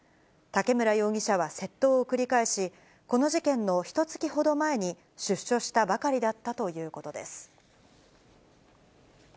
竹村容疑者は窃盗を繰り返し、この事件のひとつきほど前に、出所したばかりだったということです。